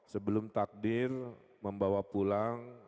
sebelum takdir membawa pulang